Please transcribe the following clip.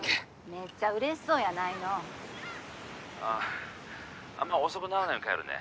めっちゃ嬉しそうやないの☎あっあんま遅くならないように帰るね